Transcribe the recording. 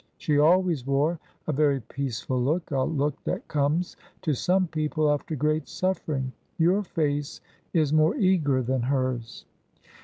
She always wore a very peaceful look, a look that comes to some people after great suffering. Your face is more eager than hers."